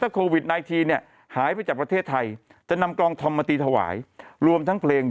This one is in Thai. โควิด๑๙เนี่ยหายไปจากประเทศไทยจะนำกองทอมมาตีถวายรวมทั้งเพลง